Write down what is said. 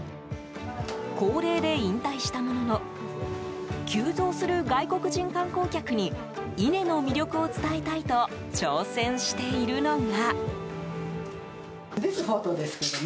高齢で引退したものの急増する外国人観光客に伊根の魅力を伝えたいと挑戦しているのが。